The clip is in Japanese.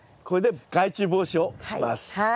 これで害虫防止をします。